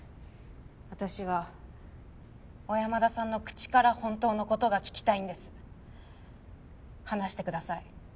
私は小山田さんの口から本当のことが聞きたいんです話してください